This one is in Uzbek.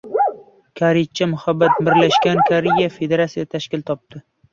«Koreyscha muhabbat»: Birlashgan Koreya federatsiyasi tashkil topadimi?